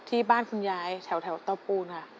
ที่บ้านคุณยายแถวเต้าปูนค่ะ